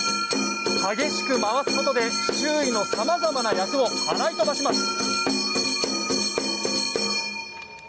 激しく回すことで、周囲のさまざまな厄をはらい飛ばします。